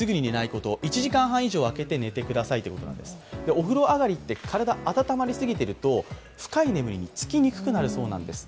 お風呂上がりって体温まりすぎてると深い眠りにつきにくくなるそうなんです。